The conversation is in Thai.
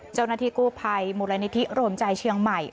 เจ้าหน้าที่กู้ภัยมูลนิธิโรมใจเชียงใหม่